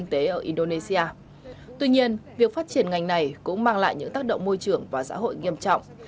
tuy nhiên việc phát triển ngành này cũng mang lại những tác động môi trường và xã hội nghiêm trọng